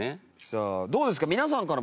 さあどうですか？